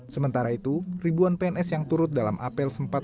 sementara itu ribuan pns yang turut dalam apel sempat